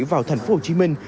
vào thành phố hồ chí minh